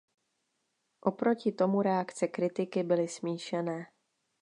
O proti tomu reakce kritiky byly smíšené.